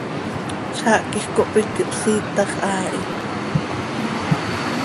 Zaah quij cohpít, ihpsiitax haa hi.